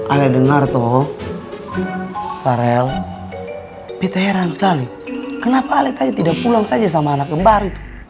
ale dengar toh farel betta heran sekali kenapa ale tadi tidak pulang saja sama anak kembar itu